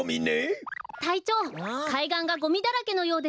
たいちょうかいがんがゴミだらけのようです。